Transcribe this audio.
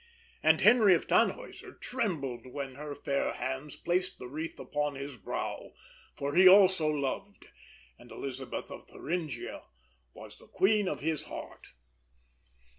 And Henry of Tannhäuser trembled when her fair hands placed the wreath upon his brow; for he also loved, and Elisabeth of Thuringia was the queen of his heart.